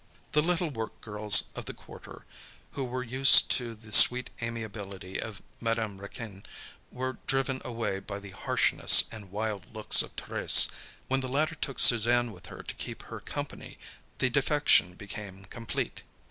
The little work girls of the quarter, who were used to the sweet amiability of Madame Raquin, were driven away by the harshness and wild looks of Thérèse. When the latter took Suzanne with her to keep her company, the defection became complete.